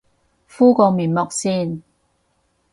敷個面膜先